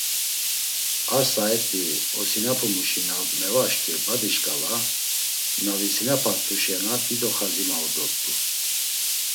Ar saet̆i osinapumuşi na mevaşǩir badi şǩala, na visinapart̆u şena dido xazi mau dort̆u.